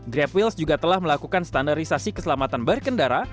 grab wheels juga telah melakukan standarisasi keselamatan berkendara